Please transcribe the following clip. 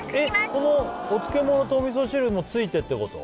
このお漬物とお味噌汁もついてってこと？